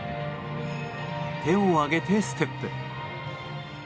手を上げてステップ。